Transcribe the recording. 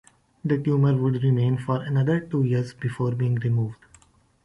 The tumor would remain for another two years before being removed.